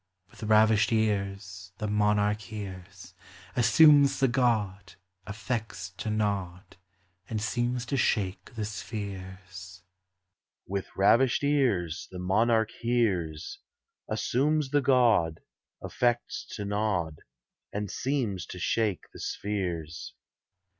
With ravished ears The monarch hears, Assumes the god, Affects to nod, And seems to shake the spheres. CHORUS. With ravished ears The monarch hears y Assumes the god, Affects to nod, And seems to shake the spheres.